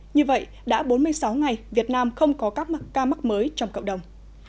như vậy đã bốn mươi sáu ngày việt nam không có các ca mắc mới trong cộng đồng